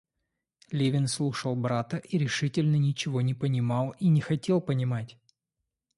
Левин слушал брата и решительно ничего не понимал и не хотел понимать.